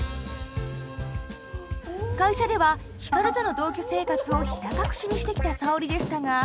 会社では光との同居生活をひた隠しにしてきた沙織でしたが。